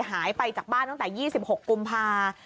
หายไปจากบ้านตั้งแต่๒๖กุมภา